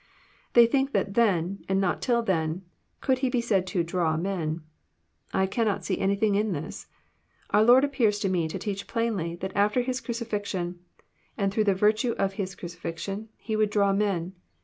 They think that then, and not till then, could He be said to draw " men. I cannot see anything in this. Our Lord appears to me to teach plainly, that after His crucifixion, and through the virtue of His crucifixion. He would draw men.